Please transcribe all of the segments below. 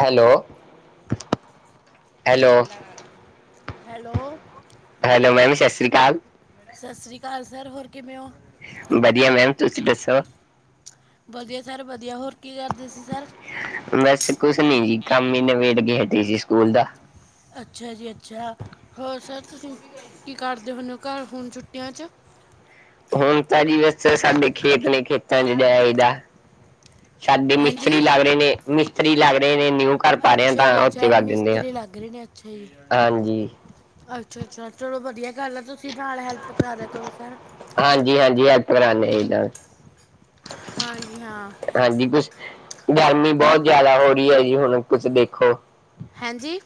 Hello hello, hello, hello ma'am ਸਤਿ ਸ੍ਰੀ ਅਕਾਲ, ਸਤਿ ਸ੍ਰੀ ਅਕਾਲ, ਸਰ ਹੋਰ ਕਿਵੇਂ ਹੋ? ਵਧੀਆ ਮੈਮ ਤੁਸੀਂ ਦੱਸੋ? ਵਧੀਆ ਸਰ ਵਧੀਆ ਹੋਰ, ਕੀ ਕਰਦੇ ਸੀ ਸਰ ਬਸ ਕੁਛ ਨੀ ਜੀ ਕੰਮ ਹੀ ਨਬੇੜ ਕੇ ਹਟੇ ਸੀ। ਸਕੂਲ ਦਾ ਅੱਛਾ ਜੀ ਅੱਛਾ ਹੋਰ ਸਰ, ਤੁਸੀਂ ਕੀ ਕਰਦੇ ਹੁੰਦੇ ਹੋ ਘਰ ਹੁਣ ਛੁੱਟੀਆਂ ਚ? ਹੁਣ ਤਾਂ ਜੀ ਬਸ ਸਾਡੇ ਖੇਤ ਨੇ ਖੇਤਾਂ ਚ ਜਾਈ ਆਈ ਦਾ ਸਾਡੀ ਹਾਂਜੀ ਮਿਸਤਰੀ ਲੱਗ ਰਹੇ ਨੇ ਮਿਸਤਰੀ ਲੱਗ ਰਹੇ ਨੇ ਨਿਊ ਘਰ ਪਾ ਰਹੇ ਤਾਂ ਉੱਥੇ ਵੱਧ ਦਿੰਦੇ ਆ। ਅੱਛਾ-ਅੱਛਾ ਜੀ, ਹਾਂਜੀ ਅੱਛਾ-ਅੱਛਾ ਚਲੋ ਵਧੀਆ ਗੱਲ ਆ ਤੁਸੀਂ ਨਾਲ ਹੈਲਪ ਕਰਾ ਦਿਆ ਕਰੋ ਸਰ ਬਨਾਨੇ ਦਾ ਹਾਂਜੀ ਹਾਂ, ਕੁਛ ਗਰਮੀ ਬਹੁਤ ਜਿਆਦਾ ਹੋ ਰਹੀ ਹੈ ਜੀ ਹੁਣ ਕੁਛ ਦੇਖੋ। ਹਾਂਜੀ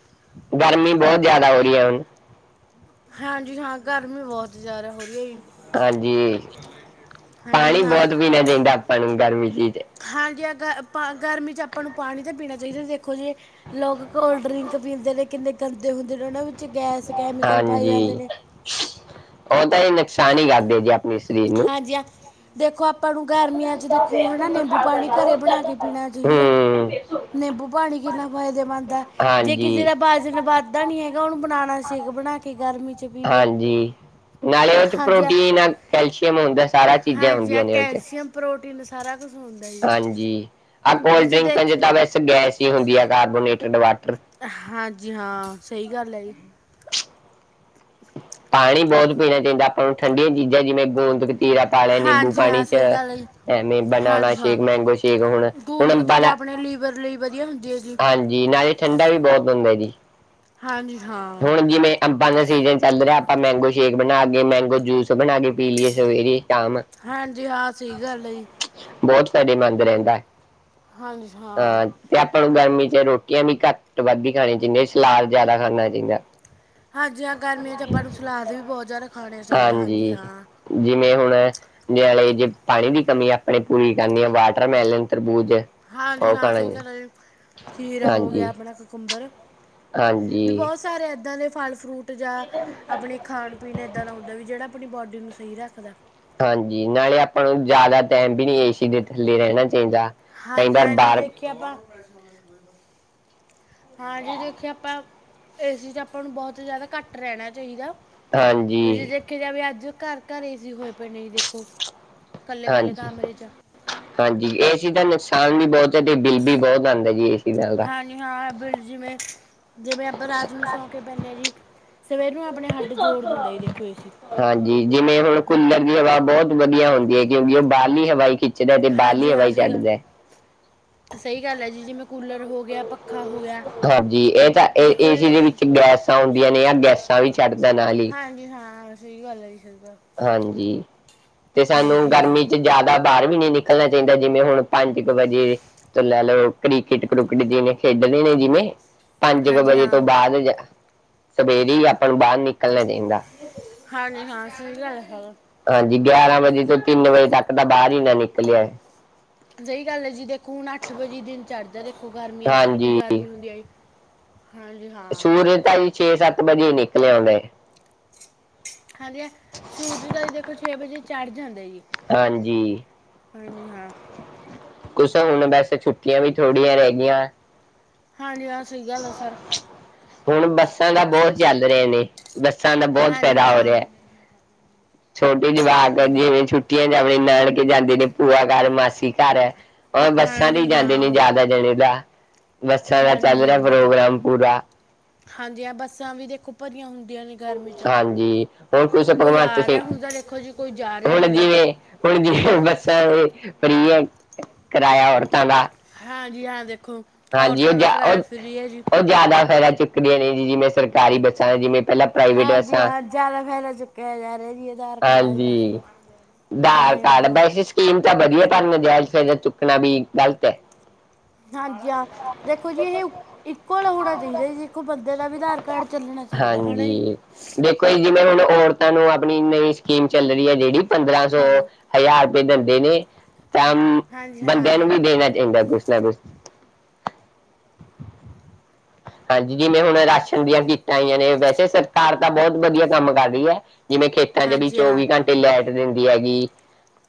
ਗਰਮੀ ਬਹੁਤ ਜ਼ਿਆਦਾ ਹੋ ਰਹੀ ਹੈ ਹੁਣ, ਹਾਂਜੀ ਹਾਂ ਗਰਮੀ ਬਹੁਤ ਜ਼ਿਆਦਾ ਹੋਗੀ, ਹਾਂਜੀ ਹਾਂਜੀ ਪਾਣੀ ਹਾਂ ਬਹੁਤ ਪੀਣਾ ਚਾਹੀਦਾ ਆਪਾਂ ਨੂੰ ਗਰਮੀ ਚ ਚ ਹਾਂਜੀ ਗ ਗਰਮੀ 'ਚ ਆਪਾਂ ਨੂੰ ਪਾਣੀ ਤਾਂ ਪੀਣਾ ਚਾਹੀਦਾ ਦੇਖੋ ਜੇ, ਲੋਕ ਕੋਲਡ ਡਰਿੰਕ ਪੀਂਦੇ ਨੇ ਕਿੰਨੇ ਗੰਦੇ ਹੁੰਦੇ ਨੇ ਉਹਨਾਂ ਵਿੱਚ ਗੈਸ ਕੈਮੀਕਲ ਪਏ ਜਾਂਦੇ ਹਾਂਜੀ ਨੇ, ਉਹ ਤਾਂ ਇਹ ਨੁਕਸਾਨ ਹੀ ਕਰਦੇ ਜੀ ਆਪਣੇ ਸਰੀਰ ਨੂੰ ਹਾਂਜੀ ਆ ਦੇਖੋ ਆਪਾਂ ਨੂੰ ਗਰਮੀਆਂ ਚ ਦੇਖੋ ਹਾਂ ਨਿੰਬੂ ਪਾਣੀ ਘਰੇ ਬਣਾ ਕੇ ਪੀਣਾ ਚਾਹੀਦਾ। ਹੂੰ ਨਿੰਬੂ ਪਾਣੀ ਕਿੰਨਾ ਫ਼ਾਇਦੇਮੰਦ ਹੈ ਜੇ ਕਿਸੇ ਹਾਂਜੀ ਦਾ ਬਾਜਨ ਬਾ ਨੀ ਹੈਗਾ ਹੁਣ ਬਣਾਣਾ ਸਿੱਖ ਬਣਾ ਕੇ ਗਰਮੀ 'ਚ ਪੀਵੇ ਹਾਂਜੀ ਨਾਲੇ ਉਹ ਚ ਪ੍ਰੋਟੀਨ ਆ ਕੈਲਸ਼ੀਅਮ ਕਿ ਹੁੰਦਾ ਸਾਰਾ ਚੀਜ਼ਾਂ ਹੁੰਦੀਆਂ ਨੇ ਉਹ ਚ ਰੋਟੀ ਨੂੰ ਸਾਰਾ ਕੁਛ ਹੁੰਦਾ ਜੀ ਹਾਂਜੀ ਆ ਕੋਲਡ ਵਿਜੀ ਡਰਿੰਕਾਂ ਦੇਖ ਚ ਤਾਂ ਵੈਸੇ ਗੈਸ ਹੀ ਹੁੰਦੀ ਆ ਕਾਰਬੋਨੇਟਡ ਵਾਟਰ ਹਾਂਜੀ ਹਾਂ ਸਹੀ ਗੱਲ ਹੈ ਜੀ, ਪਾਣੀ ਬਹੁਤ ਪੀਣਾ ਚਾਹੀਦਾ ਆਪਾਂ ਨੂੰ, ਠੰਡੀਆਂ ਚੀਜ਼ਾਂ ਜਿਵੇਂ ਗੂੰਦ-ਗਤੀਰਾ ਪਾ ਲੈਨੇ ਨਿੰਬੂ ਹਾਂਜੀ ਪਾਣੀ ਹਾਂ ਚ। ਸਹੀ ਗੱਲ ਹੈ ਜੀ ਐਵੇਂ, ਬਨਾਨਾ ਹਾਂਜੀ ਹਾਂ ਸ਼ੇਕ, ਮੈਂਗੋ ਸ਼ੇਕ, ਹੁਣ, ਹੁਣ ਗੂੰਦ ਅੰਬਾ ਕਤੀਰਾ ਦਾ ਆਪਣੇ ਲੀਵਰ ਲਈ ਵਧੀਆ ਹੁੰਦੀ ਹੈ ਜੀ ਹਾਂਜੀ। ਨਾਲੇ ਠੰਡਾ ਵੀ- ਬਹੁਤ ਹੁੰਦਾ ਜੀ। ਹਾਂਜੀ ਹਾਂ ਹੁਣ, ਜਿਵੇਂ ਅੰਬਾਂ ਦਾ ਸੀਜ਼ਨ ਚੱਲ ਰਿਹਾ। ਆਪਾਂ ਬੇ- ਮੈਂਗੋ ਸ਼ੇਕ ਬਣਾ ਕੇ, ਮੈਂਗੋ ਜੂਸ ਬਣਾ ਕੇ ਪੀ ਲਈਏ ਸਵੇਰੇ। ਸ਼ਾਮ ਹਾਂਜੀ, ਹਾਂ। ਸਹੀ ਗੱਲ ਜੀ। ਸਾਡੇ ਮੰਦ ਰਹਿੰਦਾ ਏ। ਹਾਂਜੀ, ਹਾਂ। ਆਪਾਂ ਨੂੰ ਗਰਮੀ ਚ ਰੋਟੀਆਂ, ਵੀ ਘੱਟ- ਵੱਧ ਹੀ ਖਾਣੀਆਂ ਜਿਨੀ, ਸਲਾਦ ਜ਼ਿਆਦਾ ਖਾਣਾ ਚਾਹੀਦਾ। ਹਾਜੀ ਗਰਮੀਆਂ ਚ ਆਪਾਂ ਨੂੰ ਸਲਾਦ ਵੀ ਬਹੁਤ ਜ਼ਿਆਦਾ ਖਾਣੇ ਚਾਹੀਦਾ ਹਾਂਜੀ ਹਾਂ, ਜਿਵੇਂ ਹੁਣ ਨਾਲੇ ਜੇ ਪਾਣੀ ਦੀ ਕਮੀ ਆਪਣੇ ਪੂਰੀ ਕਰਨੀ ਹੈ ਵਾਟਰ ਮੈਲਨ ਤਰਬੂਜ ਹਾਂਜੀ ਉਹ ਹਾਂ ਖਾਣਾ ਸਹੀ ਜੀ ਘਰ ਖੀਰਾ ਹੋ ਗਿਆ ਹਾਂਜੀ ਆਪਣਾ ਕਕੁੰਬਰ ਵੀ ਹਾਂਜੀ ਬਹੁਤ ਸਾਰੇ ਏਦਾਂ ਦੇ, ਫਲ ਫਰੂਟ ਜਾਂ ਆਪਣੇ ਖਾਣ ਪੀਣ ਐਦਾਂ ਦਾ ਹੁੰਦਾਂ ਵੀ ਜਿਹੜਾ ਆਪਣੀ ਬੋਡੀ ਨੂੰ ਸਹੀ ਰੱਖਦਾ। ਹਾਂਜੀ ਨਾਲੇ ਆਪਾਂ ਨੂੰ ਜ਼ਿਆਦਾ ਟਾਈਮ ਵੀ ਨੀ ਏ ਸੀ ਦੇ ਥੱਲੇ ਰਹਿਣਾ ਚਾਹੀਦਾ। ਕਈ ਵਾਰ ਹਾਂਜੀ-ਹਾਂਜੀ ਬਾਹਰ ਦੇਖੀਆ ਆਪਾਂ ਹਾਂਜੀ ਦੇਖੀਏ ਆਪਾਂ ਏਸੀ 'ਚ ਆਪਾਂ ਨੂੰ ਬਹੁਤ ਜ਼ਿਆਦਾ ਘੱਟ ਰਹਿਣਾ ਚਾਹੀਦਾ। ਵੀ, ਜੇ ਹਾਂਜੀ ਦੇਖਿਆ ਜਾ ਵੇ ਅੱਜ, ਘਰ- ਘਰ ਏ ਸੀ ਹੋਏ ਪਏ ਨੇ ਜੀ ਦੇਖੋ। ਕੱਲੇ ਕੱਲੇ ਹਾਂਜੀ, ਕਮਰੇ 'ਚ ਹਾਂਜੀ। ਇਹ ਚੀਜ਼ ਦਾ ਨੁਕਸਾਨ- ਾਨ ਵੀ ਬਹੁਤ ਹੈ। ਤੇ ਬਿੱਲ ਵੀ, ਬਹੁਤ ਆਉਂਦਾ ਜੀ। ਇਸ- ਹਾਂਜੀ, ਹਾਂ। ਬ ਜਿਵੇਂ, ਜਿਵੇਂ, ਆਪਾਂ ਰਾਤ ਨੂੰ ਸੌਂ ਕੇ ਪੈਂਦੇ ਹ ਜੀ। ਸਵੇਰ ਨੂੰ ਆਪਣੇ ਹੱਡ ਜੋੜ ਦਿੰਦਾ ਹੇ। ਦੇਖੋ ਏ ਸੀ। ਹਾਂਜੀ ਜਿਵੇਂ, ਹੁਣ ਕੂਲਰ ਦੀ ਹਵਾ ਬਹੁਤ ਵਧੀਆ ਹੁੰਦੀ ਹੈ। ਕਿਉਂਕਿ, ਉਹ ਬਾਹਲੀ ਹਵਾ ਖਿ- ਜਦੋ ਦੀ ਬਾਲਲੀ ਹਾਂਜੀ ਹਵਾਈ ਹਾਂ ਹੀ ਸਹੀ ਗੱਲ ਛੱਡਦਾ। ਸਹੀ ਗੱਲ ਹੈ ਜੀ, ਜਿਵੇਂ ਕੂਲਰ ਹੋ ਗਿਆ, ਪ- ਹਾਂਜੀ। ਇਹ ਤਾਂ ਇਹ ਏ ਜੀ ਸੀ ਦੇ ਵਿੱਚ ਗੈਸਾਂ ਆਉਂਦੀਆਂ ਨੇ, ਆ ਗੈਸਾਂ ਵੀ ਛੱਡਦਾ ਨਾਲ ਹੀ। ਹਾਂਜੀ ਹਾਂ ਸਹੀ ਗੱਲ ਹੈ ਜੀ। ਸਹੀ ਗੱਲ ਹਾਂਜੀ। ਤੇ, ਸਾਨੂੰ ਹਾਂਜੀ ਗਰਮੀ ਹਾਂ ਚ ਜ਼ਿਆਦਾ ਬਾਹਰ ਵੀ ਨੀ ਨਿਕਲਣਾ ਚਾਹੀਦਾ। ਜਿਵੇਂ ਹੁਣ ਪੰਜ ਕੁ ਵਜੇ, ਤੋਂ ਲੈ ਲਓ ਕ੍ਰਿਕਟ- ਕੂਕਟ ਜਿਹਨੇ ਖੇਡ- ਦੇ ਨੇ ਜਿਵੇਂ। ਪੰਜ ਕੁ ਹਾਂਜੀ ਵਜੇ ਤੋਂ ਹਾਂ ਬਾਅਦ। ਸਵੇਰੇ ਹੀ, ਆਪਾਂ ਨੂੰ ਬਾਹਰ ਨਿਕਲਣਾ ਚਾਹੀਦਾ। ਹਾਂਜੀ, ਹਾਂ। ਸਹੀ ਗੱਲ ਹਾਂ। ਗਿਆਰਾਂ ਵਜੇ ਤੋਂ ਤਿੰਨ ਵਜੇ ਤੱਕ ਦਾ- ਸਹੀ ਗੱਲ ਹੈ। ਜੀ ਦੇਖੋ ਹੁਣ, ਅੱਠ ਵਜੇ ਦਿਨ ਚੜ ਜਾਂਦਾ। ਦੇੋ ਗਰਮੀਆਂ ਚ ਕਿੰਨੀ ਹਾਂਜੀ ਗਰਮੀ ਹੁੰਦੀ ਆ ਜੀ। ਹਾਂਜੀ, ਹਾਂ। ਛੇ, ਸੱਤ ਵਜੇ ਨਿਕਲਿਆਉਂਦਾ। ਹਾਂਜੀ ਹਾਂ, ਸੂਰਜ ਦਾ ਜੀ ਦੇਖੋ ਵਜੇ ਚੜ ਜਾਂਦੇ ਜੀ। ਹਾਂਜੀ। ਹਾਂਜੀ, ਹਾਂ। ਕੁਛ ਹੁਣ ਵੈਸੇ ਛੁੱਟੀਆਂ ਵੀ ਥੋੜੀਆਂ ਰਹਿ ਗਈਆਂ। ਹਾਂਜੀ, ਆਹ ਸਹੀ ਗੱਲ ਆ ਸਰ। ਹੁਣ ਬੱਸਾਂ ਦਾ ਬਹੁਤ ਚੱਲ ਰਹੇ ਨੇ। ਬੱਸਾਂ ਦਾ ਬਹੁਤ ਹਾਂਜੀ ਫਾਇਦਾ ਹੋ ਹਾਂ ਰਿਹਾ। ਛੋਟੇ ਜਵਾਕ ਹਾਂ- ਜਿਵੇਂ, ਛੁੱਟੀਆਂ ਚ ਆਪਣੇ ਨਾਨਕੇ ਜਾਂਦੇ ਨੇ, ਭੂਆ ਘਰ, ਮਾਸੀ ਘਰ। ਔਰ ਬੱਸਾਂ ਤੇ ਹੀ, ਹਾਂਜੀ ਹਾਂ ਜਾਂਦੇ ਨੇ, ਜ਼ਿਆਦਾ ਜਣੇ ਦਾ। ਬੱਸਾਂ ਦਾ ਚੱਲ ਹਾਂਜੀ- ਰਿਹਾ ਹਾਂਜੀ, ਪ੍ਰੋਗਰਾਮ ਪੂਰਾ ਹਾਂਜੀ ਹ ਬੱਸਾਂ ਵੀ ਦੇਖੋ ਭਰੀਆਂ ਹੁੰਦੀਆਂ ਨੇ। ਗਰਮੀ 'ਚ ਹਾਂਜੀ, ਹੁਣ ਕੁਛ ਕੋਈ ਆ ਭਗਵੰਤ ਸਿੰਘ। ਰਿਹਾ ਹੁੰਦਾ ਦੇਖੋ ਜੀ ਕੋਈ ਜਾ ਰਿਹਾ ਹੁਣ ਹੁੰਦਾ ਜਿਵੇਂ, ਹੁਣ ਜਿਵੇਂ। ਬੱਸਾਂ ਇਹ ਫਰੀ ਹੈ। ਕਿਰਾਇਆ ਔਰਤਾਂ ਦਾ। ਹਾਂਜੀ। ਹਾਂ, ਦੇਖੋ ਔਰਤਾਂ ਨਾਲ ਕਿਇਆ ਫਰੀ ਹੈ ਜੀ। ਫਹਿਰਾ ਚੁੱਕਦੇਆਂ ਨੇ ਜੀ ਜਿਵੇਂ ਸਰਕਾਰੀ ਬੱਸਾਂ ਨੇ ਜਿਵੇਂ ਪਹਿਲਾਂ ਪ੍ਰਾਈਵੇਟ ਹਾਂਜੀ ਬੱਸਾਂ ਹਾਂ ਜਿਆਦਾ ਫਾਇਦਾ ਚੁੱਕਿਆ ਜਾ ਰਿਹਾ ਜੀ, ਆਧਾਰ ਕਾਰਡ ਆ ਬੱਸ ਦਾ ਹਾਂਜੀ ਹਾਂ ਆਧਾਰ ਕਾਰਡ ਹਾਂ ਵੈਸੇ ਸਕੀਮ ਤਾਂ ਵਧੀਆ ਤੁਹਾਨੂੰ ਨਜਾਇਜ਼ ਫਾਇਦਾ ਚੁੱਕਣਾ ਵੀ ਗਲਤ ਏ। ਹਾਂਜੀ ਹਾਂ, ਦੇਖੋ ਜੀ ਇਹ ਇੱਕੁਲ ਹੋਣਾ ਚਾਹੀਦਾ ਏ ਜੀ ਬੰਦ ਹਾਂਜੀ ਦੇਖੋ ਜੀ ਜਿਵੇਂ ਹੁਣ ਔਰਤਾਂ ਨੂੰ ਆਪ ਆਪਣੀ ਨਵੀਂ ਸਕੀਮ ਚੱਲ ਰਹੀ ਹੈ। ਜਿਹੜੀ ਪੰਦਰਾਂ ਸੌ ਹਾਂ ਹਜ਼ਾਰ ਰੁਪਏ ਦਿੰਦੇ ਨੇ। ਕੰਮ ਹਾਂਜੀ ਬੰਦਿਆਂ ਹਾਂ ਨੂੰ ਵੀ ਦੇਣਾ ਚਾਹੀਦਾ ਕੁਛ ਨਾ ਕੁਛ ਹਾਂਜੀ ਜਿਵੇਂ ਹੁਣ ਰਾਸ਼ਨ ਦੀਆਂ ਕੀਟਾਂ ਆਈਆਂ ਨੇ ਵੈਸੇ ਸਰਕਾਰ ਤਾਂ ਬਹੁਤ ਵਧੀਆ ਕੰਮ ਕਰ ਰਹੀ ਏ। ਜਿਵੇਂ ਖੇਤਾਂ ਚ ਵੀ ਹਾਂਜੀ ਹਾਂ ਚੌਵੀ ਘੰਟੇ ਲੈਟ ਦਿੰਦੀ ਹੈਗੀ।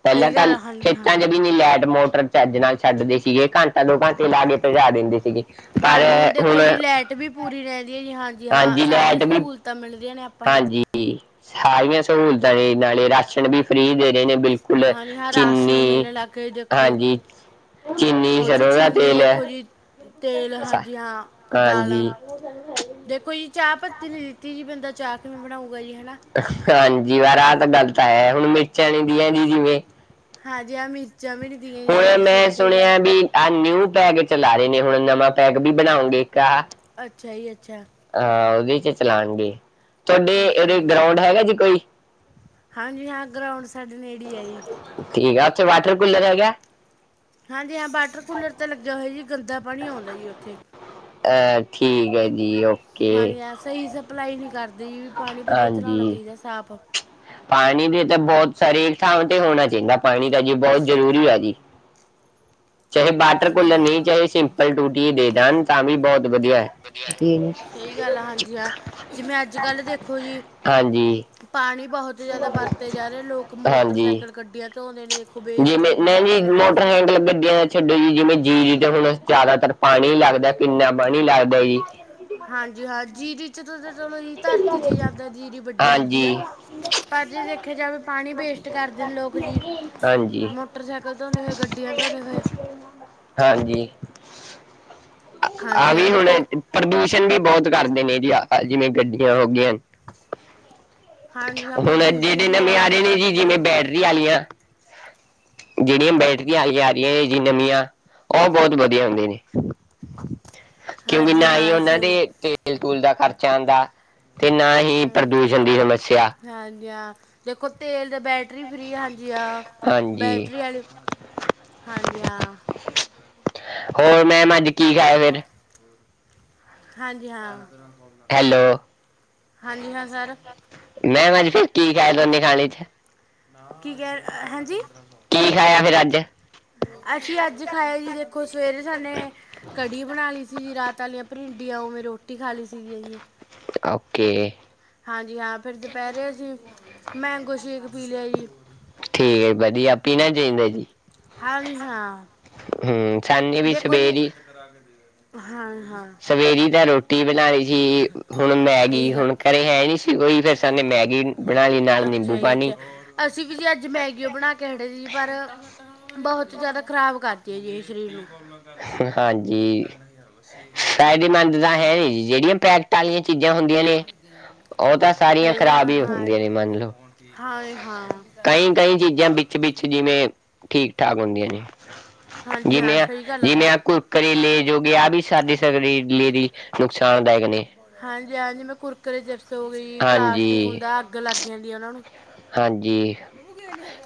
ਪਹਿਲਾਂ ਸਹੀ ਤਾਂ ਗੱਲ ਆ, ਹਾਂਜੀ ਖੇਤਾਂ ਚ ਹਾਂ ਵੀ ਨੀ ਲੈਟ ਮੋ- ਮਬ ਚੱਜ ਨਾਲ ਛੱਡਦੇ ਸੀਗੇ। ਘੰਟਾ ਦੋ ਘੰਟੇ ਲਾ ਕੇ ਭਜਾ ਦਿੰਦੇ ਸੀਗੇ। ਹਾਂਜੀ, ਹੁਣ ਦੇਖੋ ਜੀ ਲੈਟ ਵੀ ਪੂਰੀ ਰਹਿ ਰਹੀ ਹੈ, ਜੀ ਹਾਂਜੀ, ਹਾਂ। ਸਾਰੀਆਂ ਲਾਈਟ ਵੀ ਸਹੂਲਤਾਂ ਮਿਲਦੀਆਂ। ਨੇ ਆਪਾਂ ਨੂੰ ਹਾਂਜੀ, ਜੀ ਸਾਰੀਆਂ ਸਹੂਲਤਾਂ ਦੇ ਨਾਲੇ ਰਾਸ਼ਨ ਵੀ ਫ੍ਰਰੀ ਦੇ ਰਹੇ ਨੇ ਬਿਲਕੁਲ। ਕੁਲ ਹਾਂਜੀ ਹਾਂ ਰਾਸ਼ਨ ਚੀਨੀ, ਮਿਲਣ ਲੱਗ ਗਿਆ ਜੀ ਦੇਖੋ ਕਾਂਜੀ। ਚੀਨੀ, ਉਹ 'ਚ ਸਰੋਂ ਦਾ ਚੀਨੀ ਤੇਲ ਹੈ। ਦੇਖੋ ਜੀ ਤੇਲ ਸਾ- ਹਾਂਜੀ, ਹਾਂ। ਦਾਲਾਂ ਹਾਂਜੀ ਦੇਖੋ ਜੀ। ਚਾਹ ਪੱਤੀ ਤੇ ਦਿੱਤੀ ਨੀ। ਬੰਦਾ ਚਾਹ ਕਿਵੇਂ ਬਣਾਊ। ਹਾਂਜੀ। [unintelligible] ਵ ਆਹ ਤਾਂ ਗੱਲ ਤਾਂ ਆ ਹੁਣ ਮਿਰਚਾਂ ਨਹੀਂ ਦੀਆਂ ਦੀ ਜਿਵੇਂ। ਹਾਂਜੀ ਆ ਮ ਹੁਣ ਮੈਂ ਸੁਣਿਆ ਵੀ ਆਹ ਨਿਊ ਪੈਗ ਚਲਾ ਰਹੇ ਨੇ ਹੁਣ ਨਵਾਂ ਪੈਗ ਵੀ ਬਣਾਓਗੇ ਇੱਕ ਆ ਅੱਛਾ ਜੀ ਅੱਛਾ। ਹਾਂ ਉਹਦੇ ਚ ਚਲਾਉਣਗੇ ਤੁਹਾਡੇ ਅੱਛਾ ਇਹਦੇ ਗਰਾਉਂਡ ਹੈਗਾ ਜੀ ਕੋਈ ਹਾਂਜੀ ਹਾਂ, ਗਰਾਉਂਡ ਸਾਡੇ ਨੇੜੀ ਏ ਜੀ। ਠੀਕ ਆ ਉੱਥੇ ਵਾਟਰ ਕੂਲਰ ਹੈਗਾ। ਹਾਂਜੀ ਹਾਂ ਵਾਟਰ ਕੂਲਰ ਤਾਂ ਲੱਗਿਆ ਹੋਇਆ ਜੀ ਗੰਦਾ ਪਾਣੀ ਆਉਂਦਾ ਜੀ ਉੱਥੇ ਅੱਛਾ ਜੀ, ਓਕੇ। ਹਾਂਜੀ ਹਾਂ ਸਹੀ ਸਪਲਾਈ ਨੀ ਹਾਂਜੀ, ਸਾਫ਼ ਪਾਣੀ ਦੀ ਤਾਂ ਬਹੁਤ ਸਾਰੀ ਥਾਂ ਤੇ ਹੋਣਾ ਚਾਹੀਦਾ ਪਾਣੀ ਤਾਂ ਜੀ ਬਹੁਤ ਜਰੂਰੀ ਆ ਜੀ। ਚਾਹੇ ਬਾਟਰ ਹਾਂਜੀ ਕੁਲਰ ਨ ਹਾਂ ਚਾਹੇ ਸਿੰਪਲ ਟੂਟੀਏ ਦੇ ਦੇਣ ਤਾਂ ਵੀ ਬਹੁਤ ਵਧੀਆ ਹੈ ਸਹੀ ਗੱਲ ਆ। ਹਾਂਜੀ, ਹਾਂ ਜਿਵੇਂ ਅੱਜ ਕੱਲ ਦੇਖੋ ਜੀ। ਹਾਂਜੀ ਪਾਣੀ ਬਹੁਤ ਜਿਆਦਾ ਵਰਤੇ ਜਾ ਰਹੇ ਲੋਕ ਹਾਂਜੀ ਮੋਟਰਸਾਈਕਲ ਗੱਡੀਆਂ ਧੋਂਦੇ ਨੇ ਦੇਖੋ ਵੇਸਟ ਜਿਵੇਂ ਕਿੰਨੀ ਨੀ-ਨੀ ਕਰਦੇ ਨੇ ਜੀ ਪਾਣੀ ਮੋਟਰ ਦੀ ਹੈਕਲ ਗੱਡੀਆਂ ਛੱਡੋ ਜੀ ਜਿਵੇਂ ਜੀ ਜ ਤੇ ਹੁਣ ਜਿਆਦਾਤਰ ਪਾਣੀ ਲੱਗਦਾ ਕਿੰਨਾ ਪਾਣੀ ਲੱਗਦਾ ਜੀ। ਹਾਂਜੀ ਹਾਂ ਜੀਰੀ ਚਲੋ ਜੀ ਧਰਤੀ ਚ ਜਾਂਦਾ ਜਿੜੀ ਵੱਡੀ ਹੁੰਦੀ ਆ ਹਾਂਜੀ ਪਰ ਜੇ। ਰਖਿਆ ਜਾਵੇ ਪਾਣੀ ਵੇਸਟ ਕਰਦੇ ਨੇ ਲੋਕ ਲੋਕ ਜੀ ਹਾਂਜੀ ਮੋਟਰਸੈਕਲ ਧੋਦੇ ਹੋਏ, ਗੱਡੀਆਂ ਧੋਦੇ ਹੋਏ। ਹਾਂਜੀ। ਆਹ ਹਾਂਜੀ ਹਾਂ ਵੀ ਹੁਣ ਦੇਖੋ ਪ੍ਰਦੂਸ਼ਣ ਵੀ ਬਹੁਤ ਕਰਦੇ ਨੇ ਆ ਜਿਵੇਂ ਗੱਡੀਆਂ ਹੋ ਗਈਆਂ ਹਾਂਜੀ ਹਾਂ ਹੁਣ ਪ੍ਰਦੂਸ਼ਣ ਜਿਹੜੇ ਵੀ ਨਵੇਂ ਆ ਬਹੁਤ ਰਹੇ ਨੇ ਚੱਲ ਜੀ ਰਿਹਾ ਜਿਵੇਂ ਬੈਟਰੀ ਆਲੀਆਂ ਜਿਹੜੀਆਂ ਬੈਟਰੀਆਂ ਆਈ ਆ ਰਹੀਆਂ ਨੇ ਜੀ ਨਵੀਆਂ, ਉਹ ਬਹੁਤ ਵਧੀਆ ਹੁੰਦੀਆਂ ਨੇ ਕਿਉਂਕਿ ਹਾਂਜੀ ਨਾ ਹੀ ਹਾਂ ਉਹਨਾਂ ਸਹੀ ਹੈ ਦੇ ਤੇਲ ਤੁਲ ਦਾ ਖ਼ਰਚਾ ਆਦਾ। ਤੇ ਨਾ ਹੀ ਹਾਂਜੀ ਪ੍ਰਦੂਸ਼ਣ ਦੀ ਸਮੱਸਿਆ ਹਾਂਜੀ ਹਾਂ ਦੇਖੋ ਤੇਲ ਦੇ ਬੈਟਰੀ ਫ੍ਰਰੀ ਹਾਂਜੀ ਆ, ਹਾਂਜੀ ਬੈਟਰੀ ਵਾਲੀ ਹਾਂਜੀ। ਜਾਂ। ਹੋਰ ਮੈਂਮ, ਅੱਜ ਕੀ ਖਾਇਆ ਫਿਰ ਹਾਂਜੀ ਹਾਂ। ਹੈਲੋ। ਹਾਂਜੀ ਹਾਂ ਸਰ। ਮੇਮ ਅੱਜ ਫਿਰ ਕੀ ਖਾਇਆ ਦੋਨੇ ਖਾਣੇ ਚ? ਕੀ ਕਹਿ ਅਹ ਹਾਂਜੀ। ਕੀ ਖਾਇਆ ਫਿਰ ਅੱਜ? ਅਸੀਂ ਅੱਜ ਖਾਇਆ ਜੀ ਦੇਖੋ ਸਵੇਰੇ [unintelligible] ਕੜੀ ਬਣਾ ਲਈ ਸੀ ਜੀ, ਰਾਤ ਆਲੀਆਂ ਭਿੰਡ ਯਾ ਓਵੇਂ ਰੋਟੀ ਖਾ ਲਈ ਸੀ [unintelligible] ਓਕੇ। ਹਾਂਜੀ ਹਾਂ ਫਿਰ ਦੁਪਹਿਰੇ ਅਸੀਂ ਮੈਂਗੋ ਸ਼ੇਕ ਪੀ ਲਿਆ ਜੀ। ਠੀਕ ਜੀ ਵਧੀਆ ਪੀਨਾ ਨਾ ਚਾਹੀਦਾ ਜੀ। ਹਾਂਜੀ, ਹਾਂ ਹੂੰ ਸਾਨੇ ਵੀ ਦੇਖੋ ਜੀ ਸਵੇਰੀ ਹਾਂ। ਹਾਂ ਸਵੇਰੀ ਤਾਂ ਰੋਟੀ ਬਣਾਣੀ ਸੀ ਜੀ, ਹੁਣ ਮੈਗੀ ਸਹੀ ਹੁਣ ਗੱਲ ਘਰੇ ਹੈ ਨੀ ਸੀ ਕੋਈ ਫੇਰ ਸਾਨੇ ਮੈਗੀ ਬਣਾ ਲਈ ਨਾਲ ਨਿੰਬੂ ਅੱਛਾ ਜੀ ਪਾਣੀ ਅੱਛਾ ਅਸੀਂ ਵੀ ਜੀ ਅੱਜ ਮੈਗੀ ਓ ਬਣਾ ਕੇ ਖੜੇ ਸੀ ਪਰ ਬਹੁਤ ਜਿਆਦਾ ਖ਼ਰਾਬ ਕਰਦੀ ਹੈ ਜੀ ਸਰੀਰ ਨੂੰ। ਕੋਲਾ ਕਰੀਆਂ ਤਾਂ ਹਾਂਜੀ ਤਿੰਨ ਹਜ਼ਾਰ ਵ ਛੇ ਹਜ਼ਾਰ ਫਾਇਦੇਮੰਦ ਤਾਂ ਹੈ ਨਹੀਂ ਜੀ ਜਿਹੜੀਆਂ ਪੈਕਟ ਆਲੀ ਸਾਰੀਆਂ ਹਾਂ ਖ਼ਰਾਬ ਹੀ ਹੁੰਦੀਆਂ -ਹਾਂ। ਕਈ-ਕਈ ਚੀਜ਼ਾਂ ਵਿੱਚ-ਵਿੱਚ ਜਿਵੇਂ ਠੀਕ ਠਾਕ ਹੁੰਦੀਆਂ ਨੇ। ਹਾਂਜੀ ਹਾਂ ਜਿਵੇਂ ਸਹੀ ਗੱਲ ਜਿਵੇਂ ਆ ਕੁਰਕਰੇ, ਲੇਜ ਹੋ ਗਏ, ਆਹ ਵੀ ਸਾਡੇ ਸਰਰੀਰ ਲੀਰੀ ਨੁਕਸਾਨਦਾਇਕ ਨੇ ਹਾਂਜੀ-ਹਾਂਜੀ, ਮੈਂ ਕੁਰਕਰੇ, ਜਿਪਸ ਹੋ ਗਈ, ਪਲਾਸਟਿਕ ਹਾਂਜੀ ਹੁੰਦਾ, ਅੱਗ ਲੱਗ ਜਾਂਦੀ ਆ ਉਹਨਾਂ ਨੂੰ। ਹਾਂਜੀ।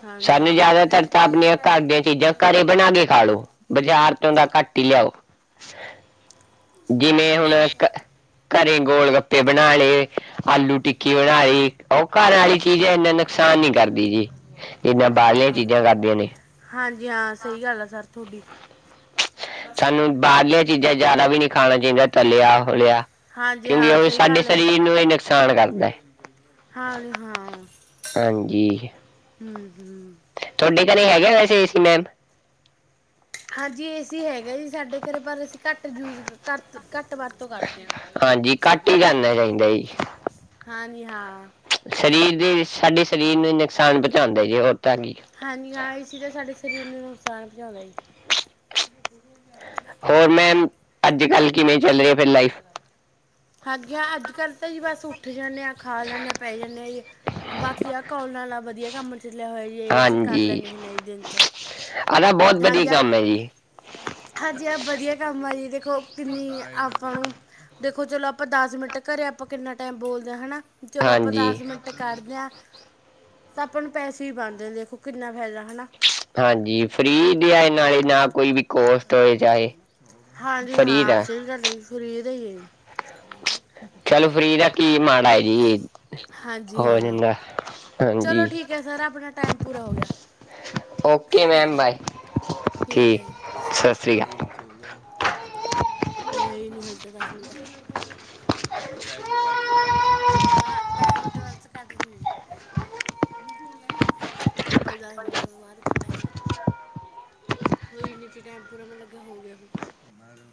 ਹਾਂਜੀ ਸਾਨੂੰ ਹਾਂ ਜਿਆਦਾਤਰ ਤਾਂ ਆਪਣੀਆਂ ਘਰ ਦੀਆਂ ਚੀਜ਼ਾਂ ਘਰੇ ਬਣਾ ਕੇ ਖਾਲੋ, ਬਾਜ਼ਾਰ ਤੋਂ ਦ ਘੱਟ ਹੀ ਲਿਆਓ, ਜਿਵੇਂ ਹੁਣ ਕ ਘਰੇ ਗੋਲ ਗੱਪੇ ਬਣਾ ਲਏ, ਆਲੂ ਟਿੱਕੀ ਬਣਾਈ, ਉਹ ਘਰ ਆਲੀ ਚੀਜ਼ਾਂ ਇੰਨਾ ਨੁਕਸਾਨ ਨੀ ਕਰਦੀ ਜੀ, ਜਿੱਦਾਂ ਬਾਹਰਲੀਆਂ ਚੀਜ਼ਾਂ ਕਰਦੀਆਂ ਨੇ। ਜੀ ਹਾਂ ਸਹੀ ਗੱਲ ਆ ਸਰ ਤੁਹਾਡੀ। ਸਾਨੂੰ ਬਾਹਰਲੀਆਂ ਚੀਜ਼ਾਂ ਜਿਆਦਾ ਵੀ ਨਹੀਂ ਖਾਣਾ ਚਾਹੀਦਾ ਤਲਿਆ ਹੋਲਿਆ। ਹਾਂਜੀ ਕਿਉਂਕਿ ਹਾਂ ਉਹ ਸਹੀ ਸਾਡੇ ਗੱਲ ਸਰੀਰ ਨੂੰ ਹੀ ਨੁਕਸਾਨ ਕਰਦਾ ਹੈ। ਹਾਂਜੀ ਹਾਂ, ਹਾਂਜੀ ਹਮ-ਹਮ। ਤੁਹਾਡੇ ਘਰੇ ਹੈਗੇ ਵੈਸੇ ਏ ਸੀ ਮੈਮ? ਹਾਂਜੀ ਏ ਸੀ ਹੈਗਾ ਜੀ ਸਾਡੇ ਘਰੇ, ਪਰ ਅਸੀਂ ਘੱਟ ਯੂਜ ਘਟ-ਘੱਟ ਟ ਵਰਤੋਂ ਕਰਦੇ ਹਾਂ, ਹਾਂਜੀ ਘੱਟ ਹੀ ਕਰਨਾ ਚਾਹੀਦਾ ਜੀ ਹਾਂਜੀ ਹਾਂ। ਸਰੀਰ ਦੇ ਸਾਡੇ ਸਰੀਰ ਨੂੰ ਨੁਕਸਾਨ ਪਹੁੰਚਾਉਂਦੇ ਜੀ ਉਹ। ਹਾਂਜੀ ਹਾਂ ਏ ਸੀ ਤੇ ਸਾਡੇ ਸਰੀਰ ਨੂੰ ਨੁਕਸਾਨ ਪਹੁੰਚਾਉਂਦਾ ਜੀ। ਹੋਰ ਮੈਮ, ਅੱਜ ਕੱਲ੍ਹ ਕਿਵੇਂ ਚੱਲ ਰਹੀ ਹੈ ਫੇਰ ਲਾਈਫ? ਹਾਂਜੀ ਹਾਂ ਅੱਜ ਕੱਲ੍ਹ ਤਾਂ ਜੀ ਬਸ ਉੱਠ ਜਾਂਣੇ ਆ, ਖਾ ਲੈਂਣੇ ਆ, ਪੈ ਜਾਂਣੇ ਆ ਜੀ। ਬਾਕੀ ਆਹ ਕੌਲ ਨਾਲਾ ਵਧੀਆ ਕੰਮ ਚੱਲਿਆ ਹੋਆ ਜ ਇਹ ਤੇ ਕਰ ਹਾਂਜੀ ਲੈਣੇ ਹੁਣੇ ਆ ਦਿਨ ਚ, ਆਦਾ ਬਹੁਤ ਵਧੀਆ ਹਾਂਜੀ। ਕੰਮ ਹੈ ਜੀ ਹਾਂਜੀ ਹਾਂ ਵਧੀਆ ਕੰਮ ਆ ਜੀ ਦੇਖ ਖੋ ਕਿੰਨੀ ਆਪਾਂ ਨੂੰ ਦੇਖੋ ਚਲੋ ਆਪਾਂ ਦਸ ਮਿੰਟ ਘਰੇ ਆਪਾਂ ਕਿੰਨਾ ਟਾਈਮ ਬੋਲਦੇ ਹਾਂ ਹੈ ਨਾ। ਚਲੋ ਆਪਾਂ ਹਾਂਜੀ ਦਸ ਮਿੰਟ ਕੱਢਦੇ ਹਾਂ, ਤਾਂ ਆਪਾਂ ਨੂੰ ਪੈਸੇ ਵੀ ਪਾਣਉਂਦੇ ਦੇਖੋ ਕਿੰਨਾ ਫਾਇਦਾ। ਹਨਾ ਹਾਂਜੀ ਫਰੀ ਦੇ ਆਏ ਨਾਲੇ ਨਾ ਕੋਈ ਕੋਸਟ ਹੋਏ ਚਾਹੇ ਹਾਂਜੀ ਫ੍ਰੀ ਹਾਂ, ਦਾ ਸਹੀ ਗੱਲ ਹੈ ਜੀ, ਫਰੀ ਦੇ ਹੀ ਏ ਚਲੋ ਫ੍ਰਰੀ ਦਾ ਕੀ ਮਾੜਾ ਏ ਜੀ? ਹਾਂਜੀ ਹੋ ਹਾਂ, ਜਾਂਦਾ ਚਲੋ ਹਾਂਜੀ ਠੀਕ ਹੈ ਸਰ ਆਪਣਾ ਟਾਈਮ ਪੂਰਾ ਹੋ ਗਿਆ। Okay ma'am bye. ਠੀਕ ਹੇ ਜੀ, ਸਤਿ ਸ਼੍ਰੀ ਹਜੇ ਕਿਥੇ ਹੋ ਗਿਆ? ਹੋਇਆ ਹੀ ਨਹੀਂ, ਹਜੇ ਤਾਂ ਦਸ ਮਿੰਟ ਏ। ਉਹਨੂੰ ਕਹਿ ਦਿੰਦੀ ਕੱਟ ਨਾ ਦਵੇ, ਨਾ ਦਸ ਮਿੰਟ ਵਾਸਤੇ ਕੱਟ [unintelligible] [unintelligible] ਆਪਾਂ ਅਕਾਲ ਵੀ ਦੱਸ ਮਿੰਟ ਤੋਂ ਬਾਅਦ ਕੱਟਾਂਗੇ ਹੋਈ ਨੀ, ਤੇ ਟੈਮ ਪੂਰਾ ਮੈਨੂੰ ਲੱਗਿਆ ਹੋ ਗਿਆ